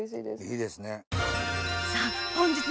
いいですね。